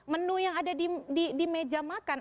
menu yang ada di meja makan